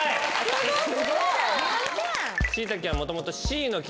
すごい。